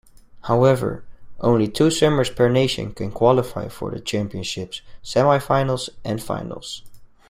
However, only two swimmers per nation can qualify for the Championships' semi-finals and finals.